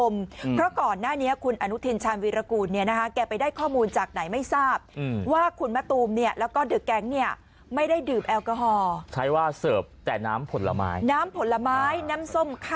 ไม้น้ำส้มคันน้ำแอปเปิ้ลนะฮะ